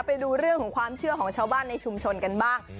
ไปดูเรื่องของความเชื่อของชาวบ้านในชุมชนกันบ้าง